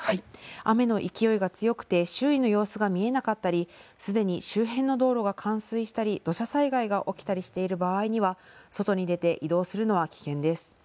雨の勢いが強くて周囲の様子が見えなかったりすでに周辺の道路が冠水したり土砂災害が起きている場合には外に出て移動するのは危険です。